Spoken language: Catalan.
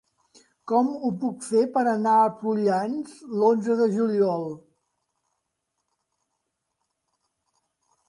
Com ho puc fer per anar a Prullans l'onze de juliol?